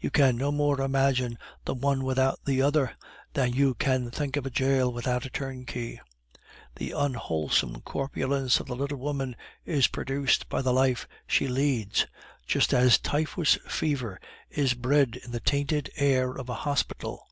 You can no more imagine the one without the other, than you can think of a jail without a turnkey. The unwholesome corpulence of the little woman is produced by the life she leads, just as typhus fever is bred in the tainted air of a hospital.